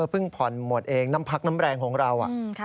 เพิ่งผ่อนหมดเองน้ำพักน้ำแรงของเรา